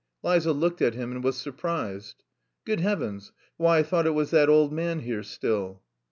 Liza looked at him, and was surprised. "Good heavens! Why I thought it was that old man here still."